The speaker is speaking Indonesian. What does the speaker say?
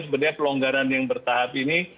sebenarnya pelonggaran yang bertahap ini